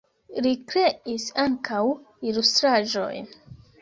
Li kreis ankaŭ ilustraĵojn.